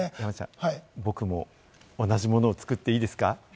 僕も同じものを作っていいですか？